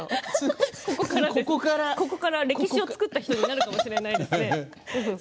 ここから歴史を作った人になるかもしれないですね。